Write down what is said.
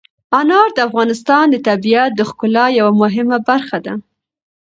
انار د افغانستان د طبیعت د ښکلا یوه مهمه برخه ده.